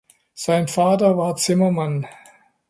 Sein Vater war Zimmermann.